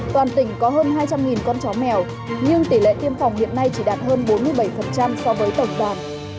toàn tỉnh có hơn hai trăm linh con chó mèo nhưng tỷ lệ tiêm phòng hiện nay chỉ đạt hơn bốn mươi bảy so với tổng toàn